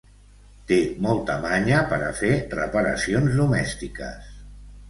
Té molta manya per a fer reparacions domèstiques.